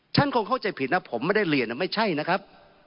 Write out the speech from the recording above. คงเข้าใจผิดนะผมไม่ได้เรียนไม่ใช่นะครับ